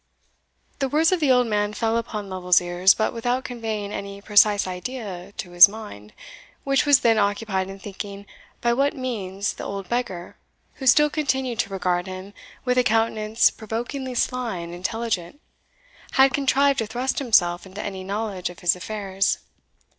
The words of the old man fell upon Lovel's ears, but without conveying any precise idea to his mind, which was then occupied in thinking by what means the old beggar, who still continued to regard him with a countenance provokingly sly and intelligent, had contrived to thrust himself into any knowledge of his affairs.